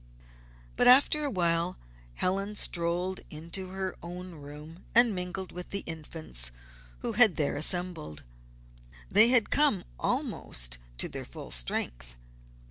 But, after a while Helen strolled into her own room and mingled with the Infants who had there assembled. They had come almost to their full strength.